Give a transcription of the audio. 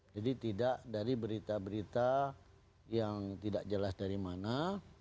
jadi tidak dari berita berita yang tidak jelas dari mana